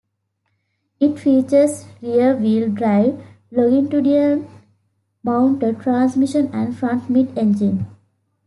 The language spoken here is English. It features rear wheel drive, longitudinal-mounted transmission and front-mid engine.